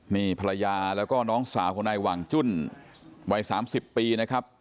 นี่ภรรยาแล้วก็น้องสาวของนายหว่างจุ้นวัย๓๐ปีนะครับ